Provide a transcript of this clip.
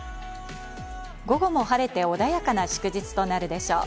午後も晴れて穏やかな祝日となるでしょう。